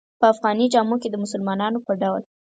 په افغاني جامو کې د مسلمانانو په ډول.